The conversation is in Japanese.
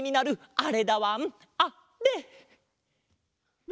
あれ？